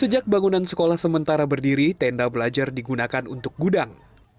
sejak bangunan sekolah sementara berdiri tenda belajar digunakan untuk gudang